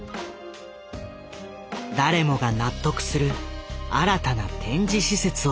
誰もが納得する新たな展示施設を。